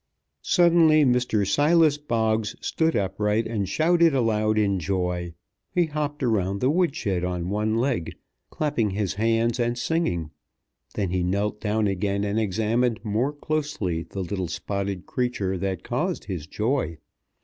Suddenly Mr. Silas Boggs stood upright and shouted aloud in joy. He hopped around the wood shed on one leg, clapping his hands and singing. Then he knelt down again, and examined more closely the little spotted creature that caused his joy.